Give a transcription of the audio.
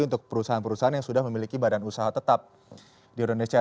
untuk perusahaan perusahaan yang sudah memiliki badan usaha tetap di indonesia